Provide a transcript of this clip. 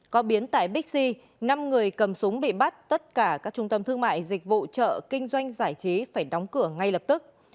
có biến tại bixi năm người cầm súng bị bắt tất cả các trung tâm thương mại dịch vụ chợ kinh doanh giải trí phải đóng cửa ngay lập tức